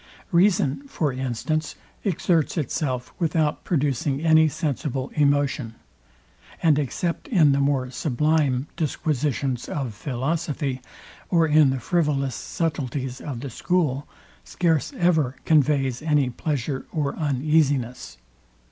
Reason, for instance, exerts itself without producing any sensible emotion; and except in the more sublime disquisitions of philosophy, or in the frivolous subtilties of the school, scarce ever conveys any pleasure or uneasiness.